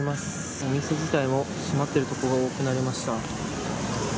お店自体も閉まっている所が多くなりました。